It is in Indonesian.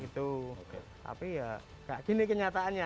tapi ya kayak gini kenyataannya